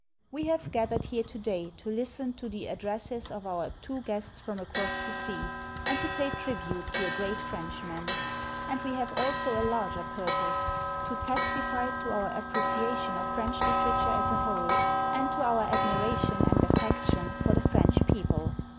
We have gathered here today to listen to the addresses of our two guests from across the sea and to pay tribute to a great Frenchman; and we have also a larger purpose to testify to our appreciation of French literature as a whole and to our admiration and affection for the French people.